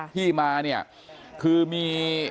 ที่มาเนี่ยคือมี